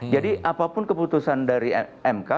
jadi apapun keputusan dari mk